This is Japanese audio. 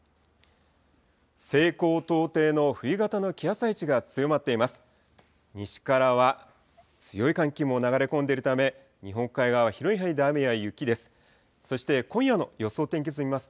西高東低の冬型の気圧配置が強まっています。